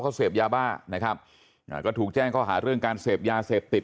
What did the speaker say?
เขาเสพยาบ้านะครับอ่าก็ถูกแจ้งข้อหาเรื่องการเสพยาเสพติด